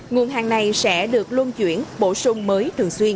nguồn hàng này sẽ được luân chuyển bổ sung mới thường xuyên